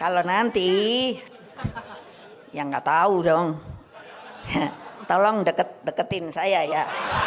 kalau nanti yang nggak tahu dong tolong deketin saya ya